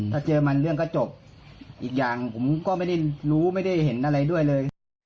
ถ้าเจอมันเรื่องก็จบอีกอย่างผมก็ไม่ได้รู้ไม่ได้เห็นอะไรด้วยเลย